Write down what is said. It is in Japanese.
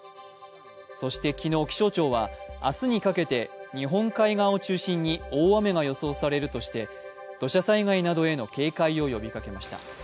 そして昨日、気象庁は、明日にかけて日本海側を中心に大雨が予想されるとして土砂災害などへの警戒を呼びかけました。